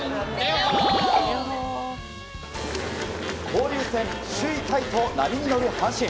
交流戦首位タイと波に乗る阪神。